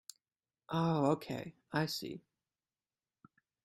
Oh okay, I see.